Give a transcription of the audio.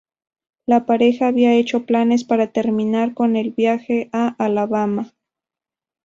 La pareja había hecho planes para terminar con el Viaje en Alabama.